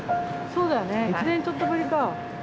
そうだよね１年ちょっとぶりか。